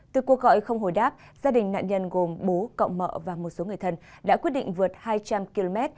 từ cuộc gọi không hồi đáp gia đình nạn nhân gồm bố cậu mậ và một số người thân đã quyết định vượt hai trăm linh km